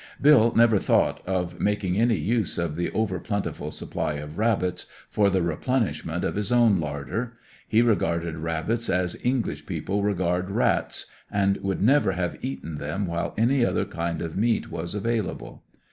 Bill never thought of making any use of the over plentiful supply of rabbits for the replenishment of his own larder. He regarded rabbits as English people regard rats, and would never have eaten them while any other kind of meat was available.